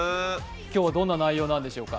今日、どんな内容なんでしょうか。